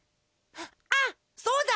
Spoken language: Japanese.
あっそうだ！